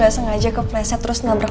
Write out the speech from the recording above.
ruik yang jadi biasa sabar